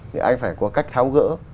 thì anh phải có cách tháo gỡ